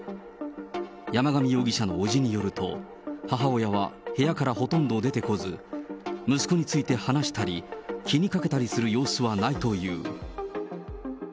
山上容疑者の伯父によると、母親は部屋からほとんど出てこず、息子について話したり、気にかけたりする様子はないという。